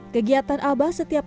kegiatan abah setiap pagi